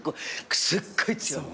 すっごい強い。